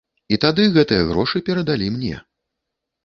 І тады гэтыя грошы перадалі мне.